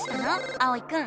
あおいくん。